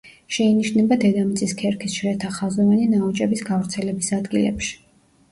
შეინიშნება დედამიწის ქერქის შრეთა ხაზოვანი ნაოჭების გავრცელების ადგილებში.